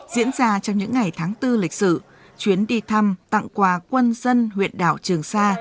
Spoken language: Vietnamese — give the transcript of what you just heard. diễn ra trong những ngày tháng bốn lịch sử chuyến đi thăm tặng quà quân dân huyện đảo trường sa